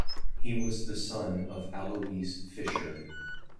He was the son of Aloys Fischer.